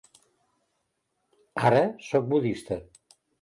Ara sóc budista.